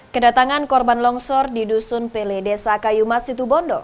kedatangan korban longsor di dusun pele desa kayu mas situbondo